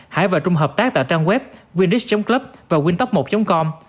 hải và trung hợp tác tại trang web winric club và wintop một com